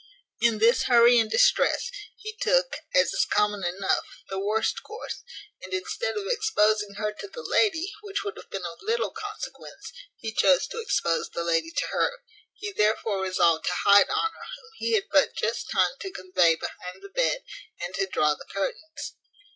In this hurry and distress, he took (as is common enough) the worst course, and, instead of exposing her to the lady, which would have been of little consequence, he chose to expose the lady to her; he therefore resolved to hide Honour, whom he had but just time to convey behind the bed, and to draw the curtains.